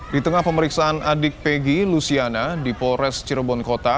di tengah pemeriksaan adik peggy luciana di polres cirebon kota